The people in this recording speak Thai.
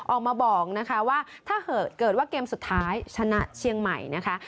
ออกมาบอกนะคะว่าถ้าเกิดว่าเกมสุดท้ายชนะเชียงใหม่นะคะ